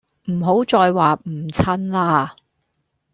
唔好再話唔襯啦